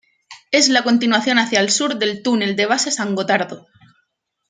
Es la continuación hacia el sur del Túnel de base San Gotardo.